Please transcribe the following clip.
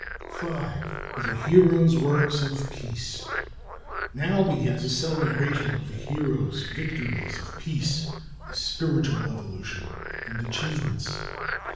V. THE HERO'S WORKS OF PEACE Now begins a celebration of the hero's victories of peace, his spiritual evolution and achievements.